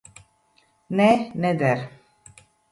Nē, neder.